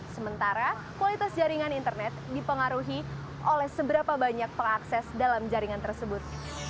sementara kualitas jaringan internet dipengaruhi oleh seberapa banyak pengakses dalam jaringan tersebut